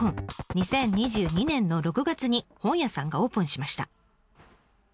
２０２２年の６月に本屋さんがオープンしました。